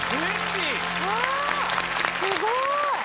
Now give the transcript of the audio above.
すごい！